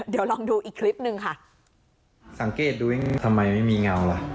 เดี๋ยวลองดูอีกคลิปหนึ่งค่ะสังเกตดูเองทำไมไม่มีเงาล่ะ